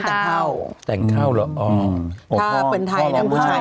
แต่งข้าวแต่งข้าวเหรออ๋อถ้าเป็นไทยเนี่ยผู้ชายแต่งข้าวผู้ชาย